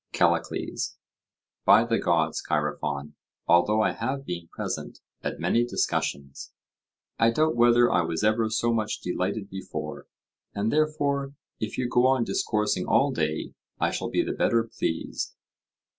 CALLICLES: By the gods, Chaerephon, although I have been present at many discussions, I doubt whether I was ever so much delighted before, and therefore if you go on discoursing all day I shall be the better pleased.